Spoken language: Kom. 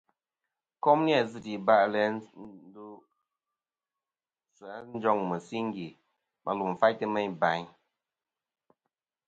Kom ni-a zɨ̀ iba'lɨ i ndosɨ a njoŋ mɨsingè ma lum faytɨ meyn bayn.